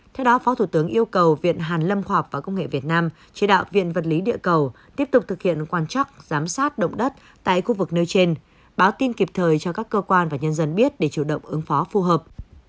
theo đó phó thủ tướng yêu cầu viện hàn lâm khoa học và công nghệ việt nam chỉ đạo viện vật lý địa cầu tiếp tục thực hiện quan chắc giám sát động đất tại khu vực nêu trên báo tin kịp thời cho các cơ quan và nhân dân biết để chủ động ứng phó phù hợp